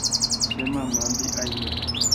Che mamándi aime.